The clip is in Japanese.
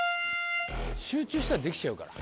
集中したらできちゃうから。